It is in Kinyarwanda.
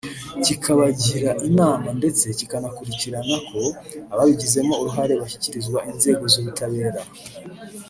kikabagira inama ndetse kikanakurikirana ko ababigizemo uruhare bashyikirizwa inzego z’ubutabera